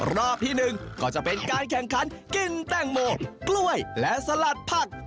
รอบที่๑ก็จะเป็นการแข่งขันกินแตงโมกล้วยและสลัดผัก